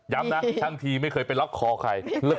ย้ำนะทางทีไม่เคยล็อคคอใคร